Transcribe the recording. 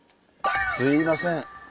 すいません。